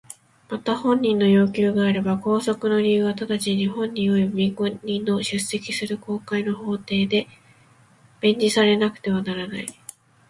また本人の要求があれば拘束の理由は直ちに本人および弁護人の出席する公開の法廷で明示されなくてはならない。